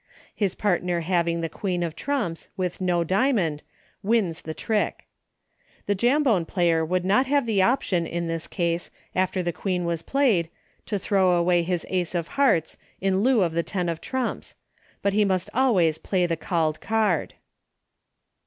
His partner having the Queen of trumps, with no diamond, wins the trick. The Jambone player would not have the option, in this case, after the Queen w^as played, to throw away his Ace of hearts, in lieu of the ten of trumps, but must always play the called card.